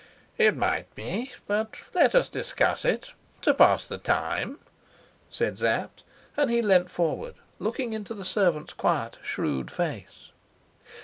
"It might be, but let us discuss it to pass the time," said Sapt; and he leant forward, looking into the servant's quiet, shrewd face.